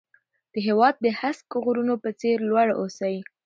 د هېواد د هسک غرونو په څېر لوړ اوسئ.